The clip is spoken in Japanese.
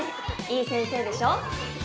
いい先生でしょ。